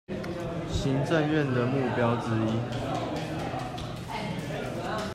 行政院的目標之一